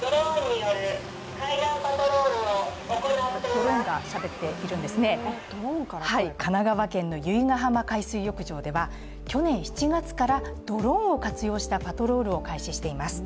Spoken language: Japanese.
ドローンがしゃべっているんですね、神奈川県の由比ガ浜海水浴場では去年７月から、ドローンを活用したパトロールを開始しています。